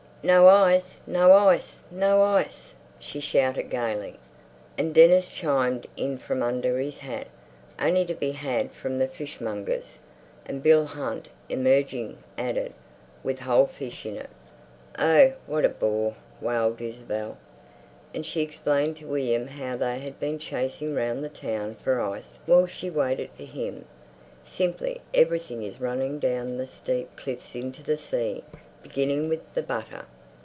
"No ice! No ice! No ice!" she shouted gaily. And Dennis chimed in from under his hat. "Only to be had from the fishmonger's." And Bill Hunt, emerging, added, "With whole fish in it." "Oh, what a bore!" wailed Isabel. And she explained to William how they had been chasing round the town for ice while she waited for him. "Simply everything is running down the steep cliffs into the sea, beginning with the butter."